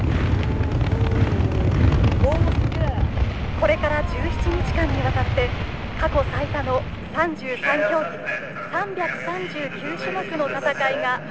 「これから１７日間にわたって過去最多の３３競技３３９種目の戦いが始まります。